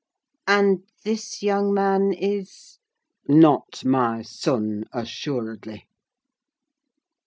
"And this young man is—" "Not my son, assuredly."